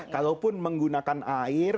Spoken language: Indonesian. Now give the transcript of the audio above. kalau pun menggunakan air